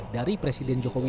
dari presiden jokowi